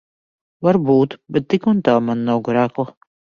Varbūt. Bet tik un tā man nav krekla.